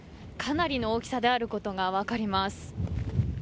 かなりの大きさであることが分かります。